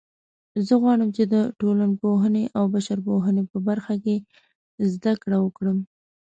زه غواړم چې د ټولنپوهنې او بشرپوهنې په برخه کې زده کړه وکړم